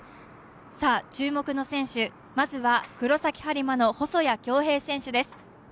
注目の選手、まずは黒崎播磨の細谷恭平選手です。